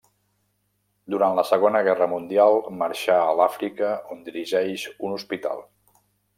Durant la Segona Guerra Mundial, marxa a l'Àfrica, on dirigeix un hospital.